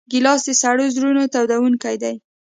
ګیلاس د سړو زړونو تودوونکی دی.